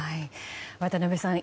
渡辺さん